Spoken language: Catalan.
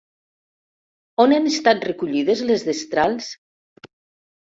On han estat recollides les destrals?